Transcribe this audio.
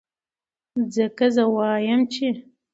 ځکه زۀ وائم چې